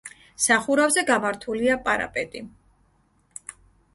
სახურავზე გამართულია პარაპეტი.